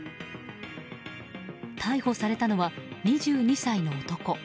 逮捕されたのは２２歳の男。